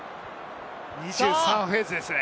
２３フェーズですね。